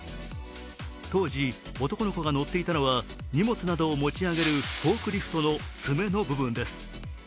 当時、男の子が乗っていたのは、荷物などを持ち上げるフォークリフトの爪の部分です。